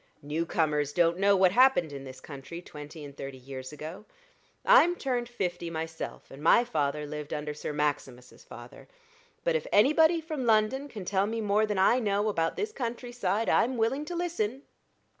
"New comers don't know what happened in this country twenty and thirty years ago. I'm turned fifty myself, and my father lived under Sir Maximus's father. But if anybody from London can tell me more than I know about this country side, I'm willing to listen."